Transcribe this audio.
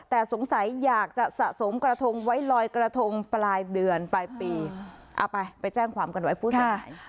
แต่สงสัยอยากจะสะสมกระทงไว้ลอยกระทงปลายเดือนปลายปีเอาไปไปแจ้งความกันไว้ผู้เสียหาย